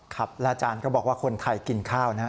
ครับแล้วอาจารย์ก็บอกว่าคนไทยกินข้าวนะ